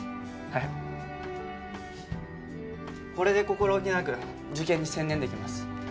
これで心置きなく受験に専念できます。